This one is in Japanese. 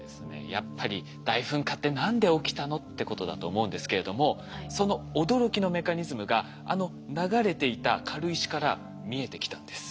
やっぱり「大噴火って何で起きたの？」ってことだと思うんですけれどもその驚きのメカニズムがあの流れていた軽石から見えてきたんです。